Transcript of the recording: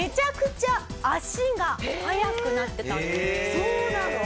そうなの？